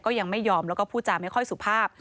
ยังไม่ยอมแล้วก็พูดจาไม่ค่อยสุภาพ